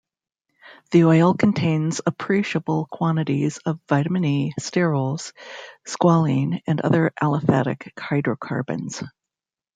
The oil contains appreciable quantities of vitamin E, sterols, squalene, and other aliphatic hydrocarbons.